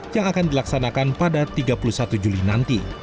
yang akan dilaksanakan pada tiga puluh satu juli nanti